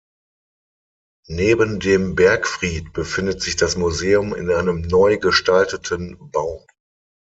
Neben dem Bergfried befindet sich das Museum in einem neu gestalteten Bau.